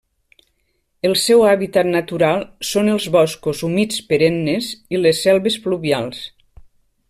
El seu hàbitat natural són els boscos humits perennes i les selves pluvials.